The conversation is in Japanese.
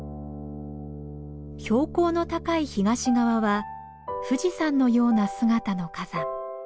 標高の高い東側は富士山のような姿の火山。